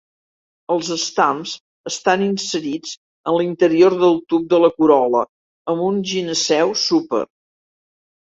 Els estams estan inserits en l'interior del tub de la corol·la amb un gineceu súper.